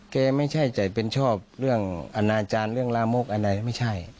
ไม่ใช่จะเป็นชอบเรื่องอนาจารย์เรื่องลามกอะไรไม่ใช่